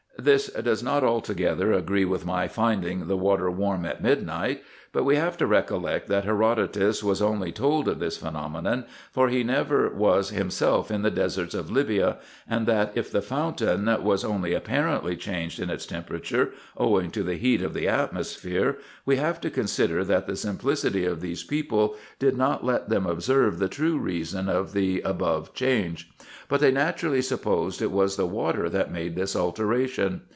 This does not altogether agree with my finding the water warm at midnight, but we have to recollect that Herodotus was only told of this phenomenon, for he never was himself in the deserts of Lybia, and that if the fountain was only apparently changed in its temperature, owing to the heat of the atmosphere, we have to consider that the simplicity of these people did not let them observe the true reason of the above change ; but they naturally supposed it was the water that made this alteration.